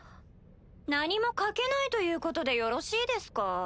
何も賭けないということでよろしいですか？